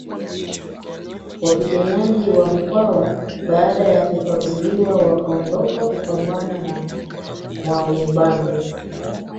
Wapiganaji wa Mkwawa baada ya kuganguliwa wakaondoka kupambana na Mwamubambe